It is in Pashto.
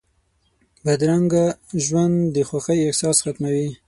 بدرنګه ژوند د خوښۍ احساس ختموي